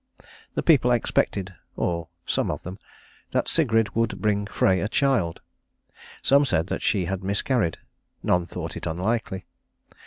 The people expected or some of them that Sigrid would bring Frey a child. Some said that she had miscarried; none thought it unlikely.